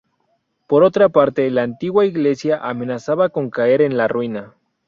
Por otra parte, la antigua iglesia amenazaba con caer en la ruina.